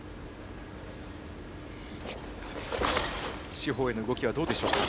四方への動きどうでしょう。